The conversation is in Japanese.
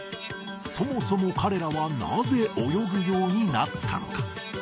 そもそも彼らはなぜ泳ぐようになったのか？